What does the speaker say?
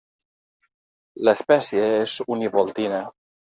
L'espècie és univoltina.